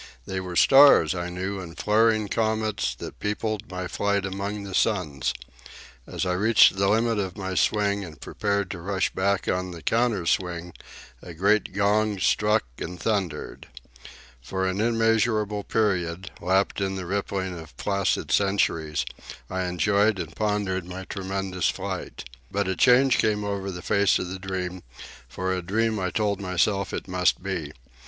They were stars, I knew, and flaring comets, that peopled my flight among the suns. As I reached the limit of my swing and prepared to rush back on the counter swing, a great gong struck and thundered. For an immeasurable period, lapped in the rippling of placid centuries, I enjoyed and pondered my tremendous flight. But a change came over the face of the dream, for a dream I told myself it must be.